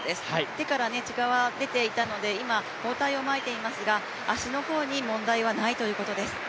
手から血は出ていたので今、包帯を巻いていますが足の方に問題はないということです。